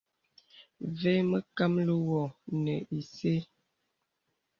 Və mə kàməlì wɔ̀ nə isə.